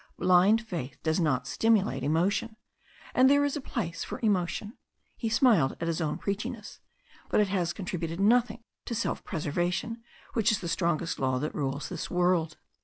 Blind faith does stimulate emotion, and there is a place for emo tion," he smiled at his own preachiness, "but it has con tributed nothing to self preservation, which is the strongest law that rules this world."